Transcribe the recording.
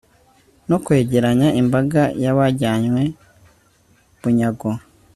no kwegeranya imbaga y'abajyanywe bunyago